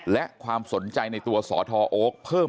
แล้วก็ให้สัมภาษณ์อะไรต่างนานาไปออกรายการเยอะแยะไปหมด